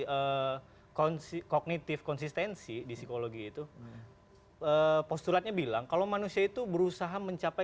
e cognitive konsistensi di psikologi itu postulatnya bilang kalau manusia itu berusaha mencapai